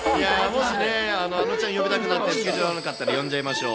もしあのちゃん呼んでスケジュール合わなかったら呼んじゃいましょう。